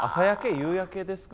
夕焼けですか？